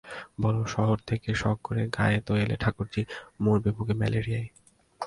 বলে, শহর থেকে শখ করে গাঁয়ে তো এলে ঠাকুরঝি, মরবে ভুগে ম্যালেরিয়ায়।